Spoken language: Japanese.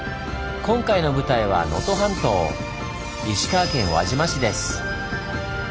今回の舞台は能登半島石川県輪島市です。